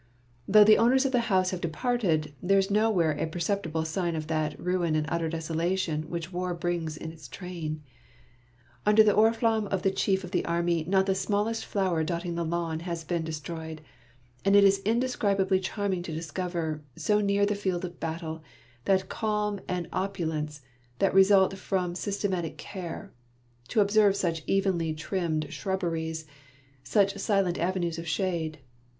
Though the owners of the house have departed, there is nowhere a perceptible sign of that ruin and utter desolation which war brings in its train. Under the oriflamme of the chief of the army not the smallest flower dotting the lawn has been destroyed, and it is indescribably charm ing to discover, so near the field of battle, that calm and opulence that result from systematic care, — to observe such evenly trimmed shrubberies, such silent avenues of shade.